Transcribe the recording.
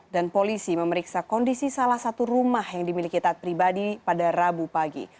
dan polisi memeriksa kondisi salah satu rumah yang dimiliki taat pribadi pada rabu pagi